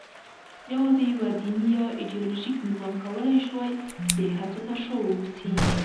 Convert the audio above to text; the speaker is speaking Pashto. یواځې یوه دیني یا ایدیالوژیک نظام کولای شوای د هڅو تر شا واوسي.